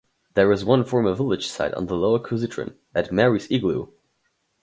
There is one former village site on the lower Kuzitrin, at Mary's Igloo.